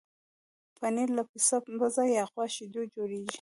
پنېر له پسه، بزه یا غوا شیدو جوړېږي.